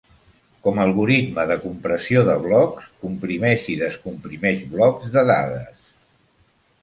Com algoritme de compressió de blocs, comprimeix i descomprimeix blocs de dades.